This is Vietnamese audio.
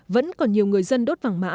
vẫn còn nhiều người dân đốt vàng mã